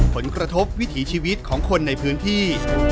ผลกระทบวิถีชีวิตของคนในพื้นที่